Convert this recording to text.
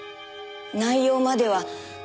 内容までは。